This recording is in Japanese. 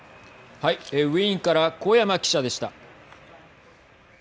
ウィーンから古山記者でした。